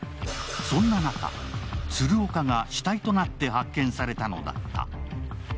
そんな中、鶴岡が死体となって発見されたのだった。